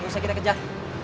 gak usah kita kejar